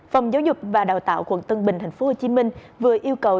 phòng giáo dục và đào tạo quận tân bình tp hcm vừa yêu cầu